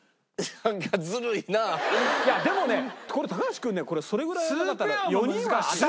いやでもね高橋君ねこれそれぐらいやらなかったら４人は当たらない。